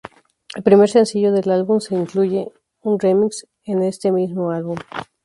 El primer sencillo del álbum, y se incluye un remix en este mismo álbum.